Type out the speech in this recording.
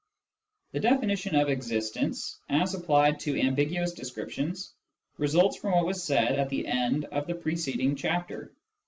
The definition of existence, as applied to ambiguous descrip tions, results from what was said at the end of the preceding chapter.